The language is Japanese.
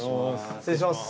失礼します。